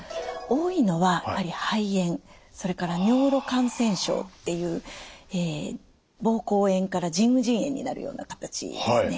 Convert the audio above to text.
多いのはやはり肺炎それから尿路感染症っていうぼうこう炎から腎盂腎炎になるような形ですね。